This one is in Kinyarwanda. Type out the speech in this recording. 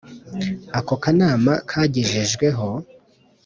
ako kanama kagejejweho